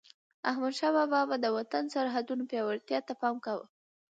احمدشاه بابا به د وطن د سرحدونو پیاوړتیا ته پام کاوه.